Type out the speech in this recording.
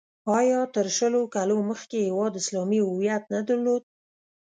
آیا تر شلو کالو مخکې هېواد اسلامي هویت نه درلود؟